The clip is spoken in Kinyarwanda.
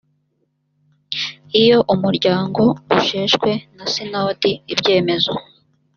iyo umuryango usheshwe na sinodi ibyemezo